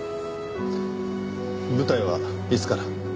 舞台はいつから？